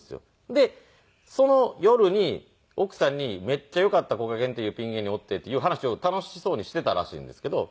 でその夜に奥さんに「めっちゃよかったこがけんっていうピン芸人おって」っていう話を楽しそうにしていたらしいんですけど。